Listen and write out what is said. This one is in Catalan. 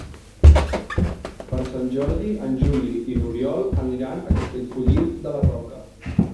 Per Sant Jordi en Juli i n'Oriol aniran a Castellfollit de la Roca.